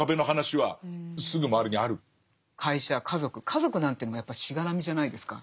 家族なんていうのもやっぱりしがらみじゃないですか。